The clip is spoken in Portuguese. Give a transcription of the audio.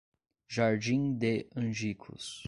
Jardim de Angicos